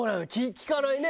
聞かないね。